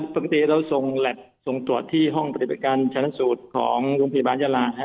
ปกติเราส่งแล็บส่งตรวจที่ห้องปฏิบัติการชนะสูตรของโรงพยาบาลยาลา